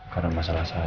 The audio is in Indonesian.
karena masalah saya